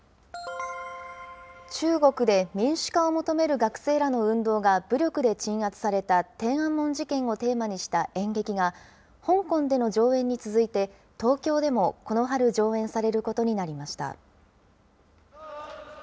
中国で民主化を求める学生らの運動が武力で鎮圧された天安門事件をテーマにした演劇が、香港での上演に続いて、東京でもこの春、上演されることになりました。